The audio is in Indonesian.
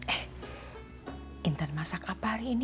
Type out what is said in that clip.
eh intan masak apa hari ini